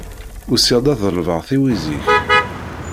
Usiɣ-d ad ḍelbeɣ tiwizi-k.